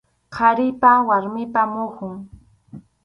Qharipa warmipa muhun.